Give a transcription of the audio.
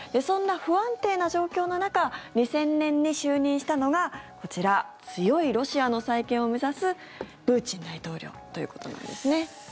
そんな不安定な状況の中２０００年に就任したのがこちら強いロシアの再建を目指すプーチン大統領ということなんですね。